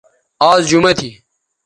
آز جمہ تھی